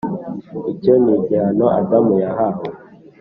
Icyo ni igihano Adamu yahawe